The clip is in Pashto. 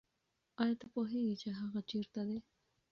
آیا ته پوهېږې چې هغه چېرته دی؟